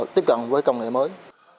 tiếp cận với công nghệ mới